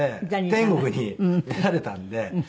天国に召されたんで。